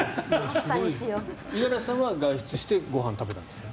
五十嵐さんは外出してご飯食べたんですよね？